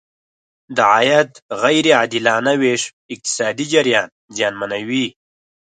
د عاید غیر عادلانه ویش اقتصادي جریان زیانمنوي.